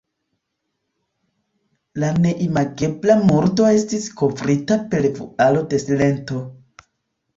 La neimagebla murdo estis kovrita per vualo de silento.